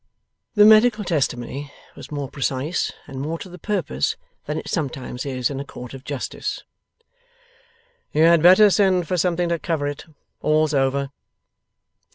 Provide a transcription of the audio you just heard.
The medical testimony was more precise and more to the purpose than it sometimes is in a Court of Justice. 'You had better send for something to cover it. All's over.